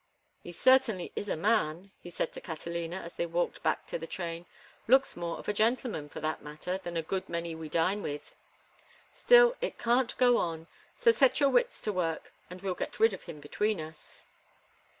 "He certainly is a man," he said to Catalina, as they walked back to the train; "looks more of a gentleman, for that matter, than a good many we dine with. Still, it can't go on; so set your wits to work, and we'll get rid of him between us."